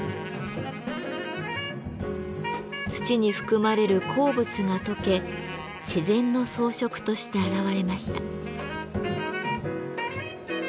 土に含まれる鉱物が溶け自然の装飾として現れました。